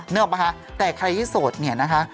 นึกออกไหมคะแต่ใครที่โสดเนี่ยนะคะ